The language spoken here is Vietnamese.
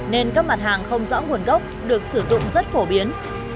nên các mặt hàng không rõ nguồn gốc được sử dụng rất phổ biến